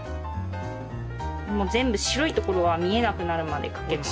全部白いところが見えなくなるまでかけます。